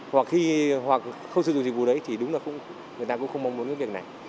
hoặc không sử dụng dịch vụ đấy thì đúng là người ta cũng không mong muốn những việc này